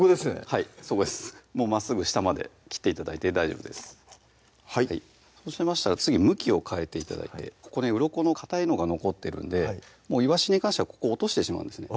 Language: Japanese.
はいそこですまっすぐ下まで切って頂いて大丈夫ですそうしましたら次向きを変えて頂いてここねうろこのかたいのが残ってるんでいわしに関してはここを落としてしまうんですね